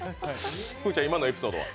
フーちゃん、今のエピソードは？